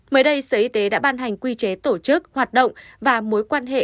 mới đây sở y tế đã ban hành quy chế tổ chức hoạt động và mối quan hệ